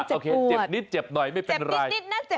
โอเคเจ็บนิดเจ็บหน่อยไม่เป็นไร